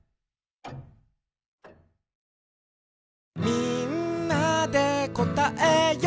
「みんなでこたえよう」キュー！